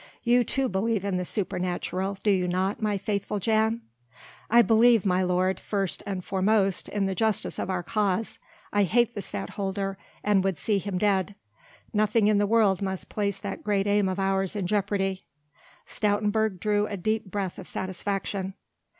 You, too, believe in the supernatural, do you not, my faithful Jan?" "I believe, my lord, first and foremost in the justice of our cause. I hate the Stadtholder and would see him dead. Nothing in the world must place that great aim of ours in jeopardy." Stoutenburg drew a deep breath of satisfaction.